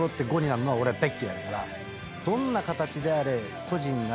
どんな形であれ個人が。